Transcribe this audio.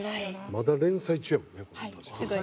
まだ連載中やもんねこれ確か。